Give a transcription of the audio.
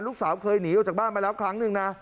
ลูกสาวเคยหนีออกจากบ้านมาแล้วครั้งหนึ่งนะ